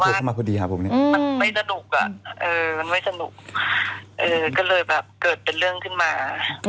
ก็เลยแบบเกิดเป็นเรื่องขึ้นมา